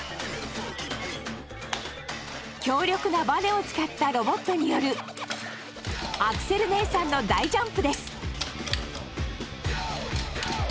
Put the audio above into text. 強力なバネを使ったロボットによるアクセル姉さんの大ジャンプです。